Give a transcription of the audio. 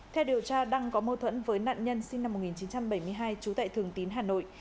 theo điều tra đăng có mâu thuẫn với nạn nhân sinh năm một nghìn chín trăm bảy mươi hai trú tại thường tín hà nội